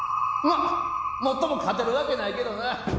まあもっとも勝てるわけないけどな。